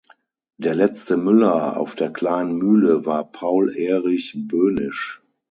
Der letzte Müller auf der Kleinen Mühle war Paul Erich Bönisch.